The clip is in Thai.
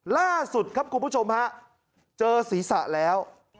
ล่าสุดครับคุณผู้ชมฮะเจอศีรษะแล้ว